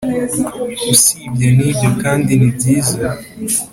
usibye n’ibyo kandi ni byiza